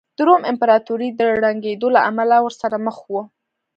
د روم امپراتورۍ د ړنګېدو له امله ورسره مخ وه